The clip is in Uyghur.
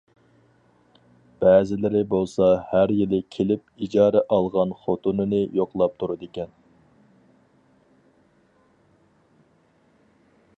بەزىلىرى بولسا ھەر يىلى كېلىپ ئىجارە ئالغان خوتۇنىنى يوقلاپ تۇرىدىكەن.